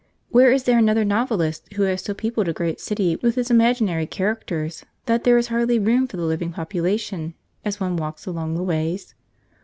Where is there another novelist who has so peopled a great city with his imaginary characters that there is hardly room for the living population, as one walks along the ways?